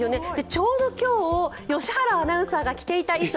ちょうど今日、良原アナウンサーが来ていた衣装。